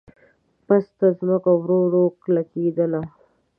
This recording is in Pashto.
پسته ځمکه ورو ورو کلکېدله.